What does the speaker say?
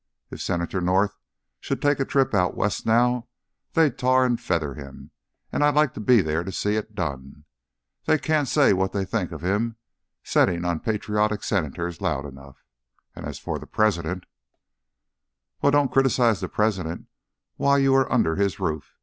If Senator North should take a trip out West just now, they'd tar and feather him, and I'd like to be there to see it done. They can't say what they think of his setting on patriotic Senators loud enough. And as for the President " "Well, don't criticise the President while you are under his roof.